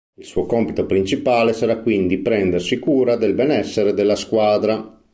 Il suo compito principale sarà quindi prendersi cura del benessere della squadra.